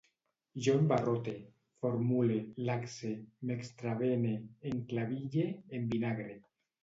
Jo embarrote, formule, laxe, m'extravene, enclaville, envinagre